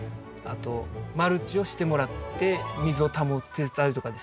あとマルチをしてもらって水を保ってたりとかですね